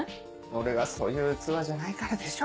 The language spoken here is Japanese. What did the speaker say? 俺がそういう器じゃないからでしょ。